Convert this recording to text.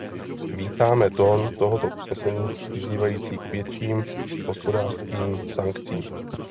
Vítáme tón tohoto usnesení vyzývající k větším hospodářským sankcím.